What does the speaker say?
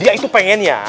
dia itu pengen ya